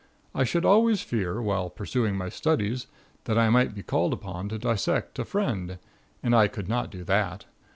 I should always fear, while pursuing my studies, that I might be called upon to dissect a friend, and I could not do that.